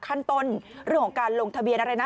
ขั้นต้นเรื่องของการลงทะเบียนอะไรนะ